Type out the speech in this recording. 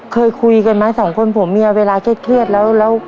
เคยคุยกันไหมสองคนผัวเมียเวลาเครียดแล้ว